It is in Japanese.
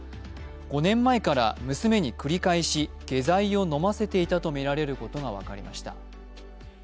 ５年前から娘に繰り返し下剤を飲ませていたとみられることが分かりました。